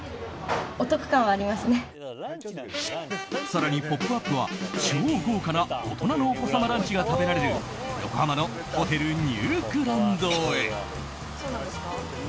更に「ポップＵＰ！」は超豪華な大人のお子様ランチが食べられる横浜のホテルニューグランドへ。